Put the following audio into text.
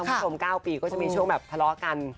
มันก็จะมีช่วงแบบ๙ปีก็จะมีช่วงแบบทะเลาะกัน